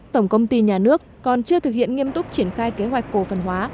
tổng công ty nhà nước còn chưa thực hiện nghiêm túc triển khai kế hoạch cổ phần hóa